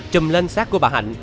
trùm lên sát của bà hạnh